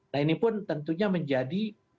nah ini pun tentunya menjadi